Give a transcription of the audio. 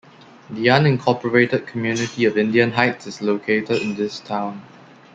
The unincorporated community of Indian Heights is located in the town.